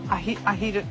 アヒル。